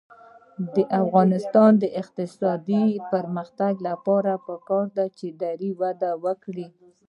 د افغانستان د اقتصادي پرمختګ لپاره پکار ده چې دري وده وکړي.